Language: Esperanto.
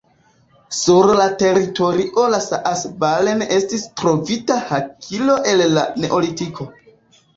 Sur la teritorio de Saas-Balen estis trovita hakilo el la neolitiko.